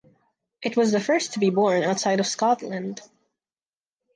It was the first to be born outside of Scotland.